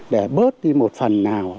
để bớt đi một phần nào